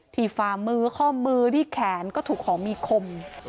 ฝ่ามือข้อมือที่แขนก็ถูกของมีคม